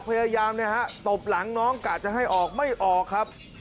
พยายามตบหลังน้องกะจะให้ออกไม่ออกครับ